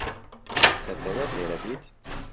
دەتەوێت لێرە بیت؟